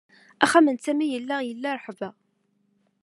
Axxam n Sami yella ila rrehba.